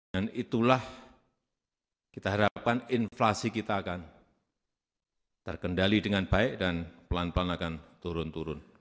dan itulah kita harapkan inflasi kita akan terkendali dengan baik dan pelan pelan akan turun turun